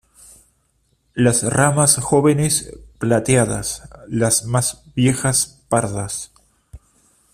Las ramas jóvenes plateadas, las más viejas pardas.